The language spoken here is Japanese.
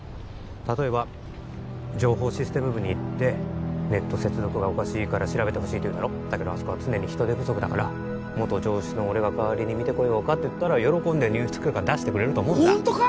例えば情報システム部に行ってネット接続がおかしいから調べてほしいって言うだろだけどあそこは常に人手不足だから元情シスの俺が「代わりに見てこようか」って言ったら喜んで入室許可出してくれると思うんだホントか？